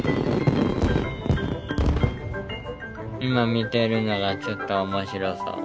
今見てるのがちょっと面白そう。